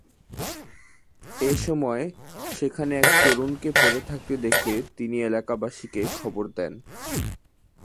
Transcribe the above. এ সময় সেখানে এক তরুণকে পড়ে থাকতে দেখে তিনি এলাকাবাসীকে খবর দেন।